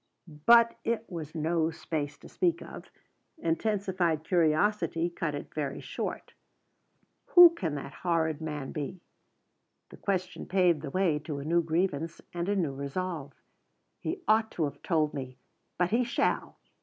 But it was no space to speak of; intensified curiosity cut it very short. "Who can the horrid man be?" The question paved the way to a new grievance and a new resolve. "He ought to have told me. But he shall!"